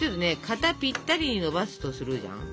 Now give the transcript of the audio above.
型ぴったりにのばすとするじゃん？